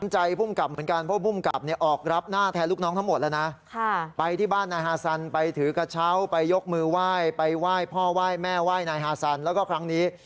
จะบอกค้างไว้ก่อนแป๊บนึงครับ